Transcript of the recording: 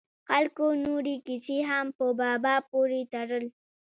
خلکو نورې کیسې هم په بابا پورې تړل.